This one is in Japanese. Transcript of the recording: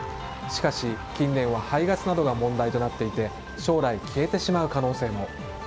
しかし近年は排ガスなどが問題となっていて将来、消えてしまう可能性も。